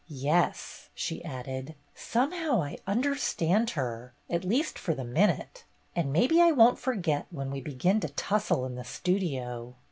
Yes," she added, "somehow I understand her, at least for the minute, and maybe I won't forget when we begin to tussle in the Studio."